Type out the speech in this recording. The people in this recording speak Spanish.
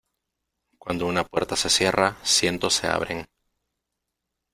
Cuando una puerta se cierra, ciento se abren.